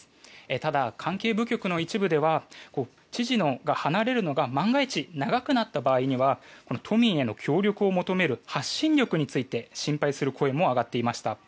ただ、関係部局の一部では知事が離れるのが万が一、長くなった場合は都民への協力を求める発信力について心配する声も上がっていました。